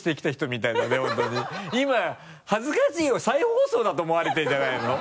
今恥ずかしいよ再放送だと思われてるんじゃないの？